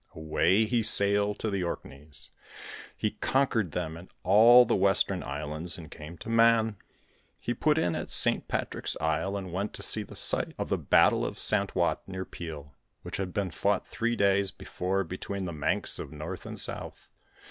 Away he sailed to the Orkneys; he conquered them and all the Western Islands, and came to Mann. He put in at Saint Patrick's Isle and went to see the site of the Battle of Santwat near Peel, which had been fought three days before between the Manx of north and south.